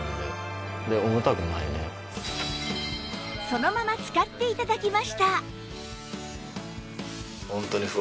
そのまま使って頂きました